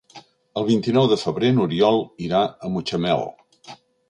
El vint-i-nou de febrer n'Oriol irà a Mutxamel.